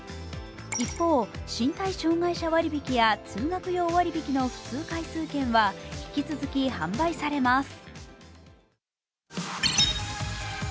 一方、身体障害者割引や通学用割引の普通回数券は引き続き販売されます。